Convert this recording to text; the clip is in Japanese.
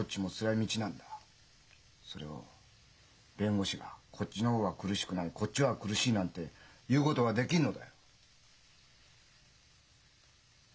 それを弁護士が「こっちの方が苦しくない」「こっちは苦しい」なんて言うことはできんのだよ。